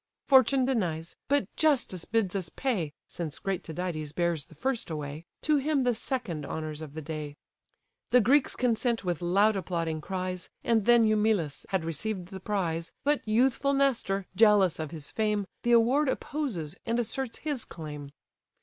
Fortune denies, but justice bids us pay (Since great Tydides bears the first away) To him the second honours of the day." The Greeks consent with loud applauding cries, And then Eumelus had received the prize, But youthful Nestor, jealous of his fame, The award opposes, and asserts his claim.